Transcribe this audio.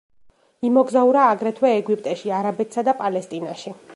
იმოგზაურა აგრეთვე ეგვიპტეში, არაბეთსა და პალესტინაში.